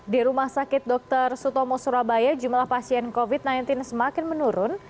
di rumah sakit dr sutomo surabaya jumlah pasien covid sembilan belas semakin menurun